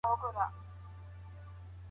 دا مفکوره په ډېرو هيوادونو کي پلې سوې ده.